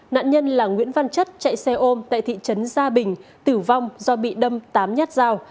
nạn nhân là nguyễn văn chất chạy xe ôm tại thị trấn gia bình tử vong do bị đâm tám nhát dao